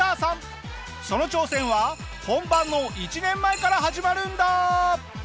その挑戦は本番の１年前から始まるんだ！